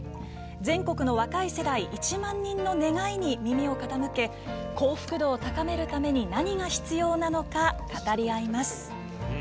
全国の若い世代１万人の願いに耳を傾け、幸福度を高めるために何が必要なのか語り合います。